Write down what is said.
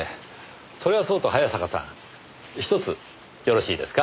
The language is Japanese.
それはそうと早坂さん１つよろしいですか？